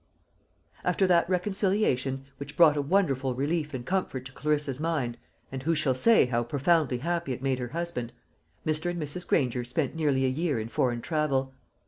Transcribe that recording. After that reconciliation, which brought a wonderful relief and comfort to Clarissa's mind and who shall say how profoundly happy it made her husband? Mr. and Mrs. Granger spent nearly a year in foreign travel.